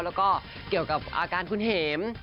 แล้วก็เกี่ยวกับอาการคุณเห็ม